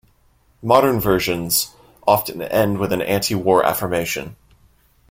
Modern versions often end with an anti-war affirmation.